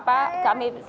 nah seperti itu